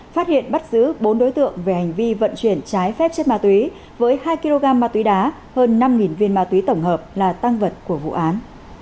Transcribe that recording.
phát hiện bắt giữ bốn đối tượng về hành vi vận chuyển trái phép chất ma túy với hai kg ma túy đá hơn năm viên ma túy tổng hợp là tăng vật của vụ án